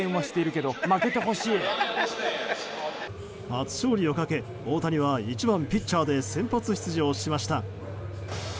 初勝利をかけ大谷は１番ピッチャーで先発出場しました。